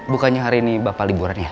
bukannya hari ini bapak liburan ya